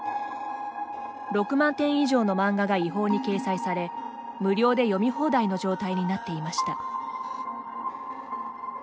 ６万点以上の漫画が違法に掲載され無料で読み放題の状態になっていました。